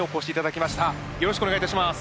よろしくお願いします。